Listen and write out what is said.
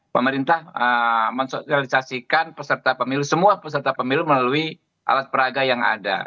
pemerintah mensosialisasikan peserta pemilu semua peserta pemilu melalui alat peraga yang ada